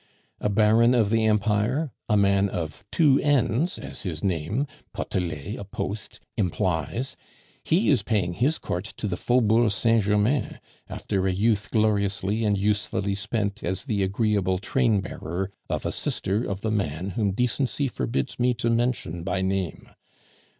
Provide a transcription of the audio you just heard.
A baron of the Empire, a man of two ends, as his name (Potelet, a post) implies, he is paying his court to the Faubourg Saint Germain, after a youth gloriously and usefully spent as the agreeable trainbearer of a sister of the man whom decency forbids me to mention by name.